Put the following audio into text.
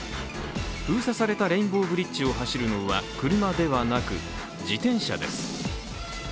封鎖されたレインボーブリッジを走るのは車ではなく自転車です。